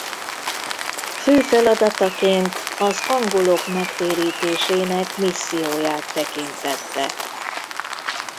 Fő feladataként az angolok megtérítésének misszióját tekintette.